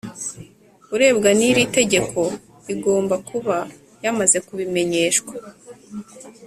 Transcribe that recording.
Urebwa n’ iri tegeko igomba kuba yamaze kubimenyeshwa